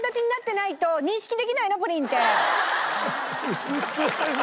うるせえな。